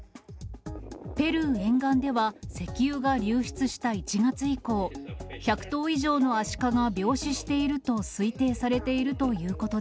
ペルー沿岸では、石油が流出した１月以降、１００頭以上のアシカが病死していると推定されているということ